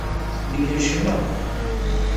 Nekk recleɣ.